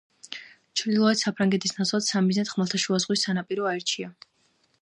ჩრდილოეთ საფრანგეთის ნაცვლად სამიზნედ ხმელთაშუა ზღვის სანაპირო აირჩა.